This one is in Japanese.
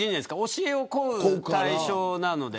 教えを請う対象なので。